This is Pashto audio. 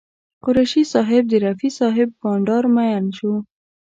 قریشي صاحب د رفیع صاحب بانډار مین شو.